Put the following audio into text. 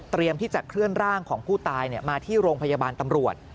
ที่จะเคลื่อนร่างของผู้ตายมาที่โรงพยาบาลตำรวจ